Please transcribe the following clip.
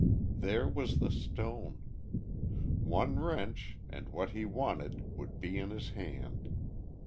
There was the stone. One wrench, and what he wanted would be in his hand.